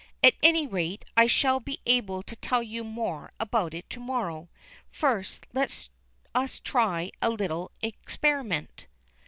At any rate, I shall be able to tell you more about it to morrow. First, let us try a little experiment."